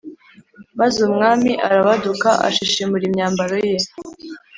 Maze umwami arabaduka ashishimura imyambaro ye